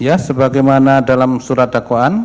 ya sebagaimana dalam surat dakwaan